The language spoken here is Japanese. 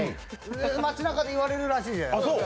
街中で言われるらしいじゃないですか？